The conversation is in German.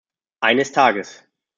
Eines Tages!